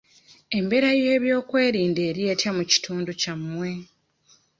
Embeera y'ebyokwerinda eri etya mu kitundu kyammwe.